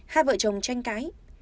hai vợ chồng tranh cái